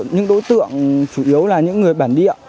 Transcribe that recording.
những đối tượng chủ yếu là những người bản địa